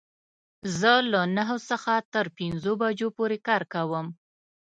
زه له نهو څخه تر پنځو بجو پوری کار کوم